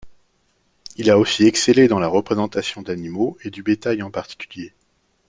Il a aussi excellé dans la représentation d'animaux, et du bétail en particulier.